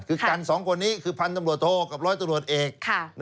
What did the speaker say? คือกันสองคนนี้คือพันธุ์ตำรวจโทกับร้อยตำรวจเอก